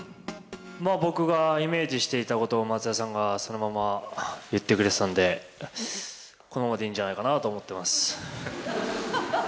僕がイメージしていたことを松也さんがそのまま言ってくれてたんで、このままでいいんじゃないかなと思っています。